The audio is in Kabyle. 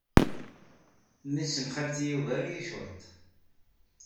Memmi-s n xalti yugar-iyi cwiṭ.